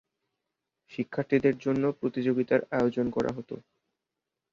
শিক্ষার্থীদের জন্য প্রতিযোগিতার আয়োজন করা হত।